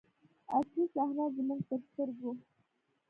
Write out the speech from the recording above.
اصلي صحنه زموږ تر سترګو.